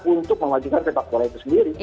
untuk memajukan sepak bola itu sendiri